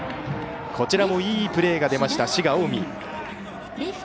こちらもいいプレーが出ました滋賀・近江。